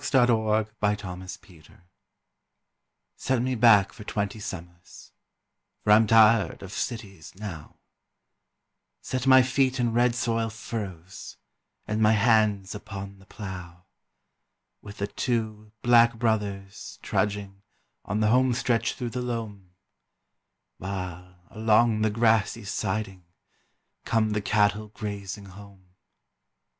THE SHAKEDOWN ON THE FLOOR Set me back for twenty summers For I'm tired of cities now Set my feet in red soil furrows And my hands upon the plough, With the two 'Black Brothers' trudging On the home stretch through the loam While, along the grassy siding, Come the cattle grazing home.